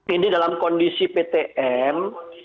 ini dalam kondisi ptm